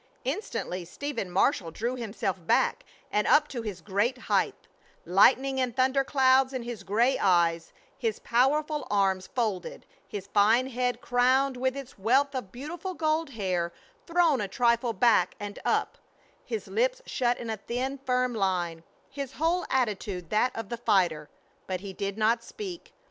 Instantly Stephen Marshall drew himself back, and up to his great height, lightning and thunder clouds in his gray eyes, his powerful arms folded, his fine head crowned with its wealth of beautiful gold hair thrown a trifle back and up, his lips shut in a thin, firm line, his whole attitude that of the fighter; but he did not speak.